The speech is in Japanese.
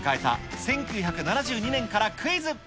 １９７２年からクイズ。